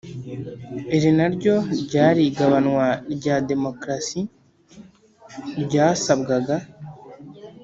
iri naryo ryari igabanywa rya démocratie ryasabwaga.